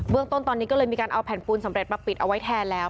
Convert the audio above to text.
เรื่องต้นตอนนี้ก็เลยมีการเอาแผ่นปูนสำเร็จมาปิดเอาไว้แทนแล้ว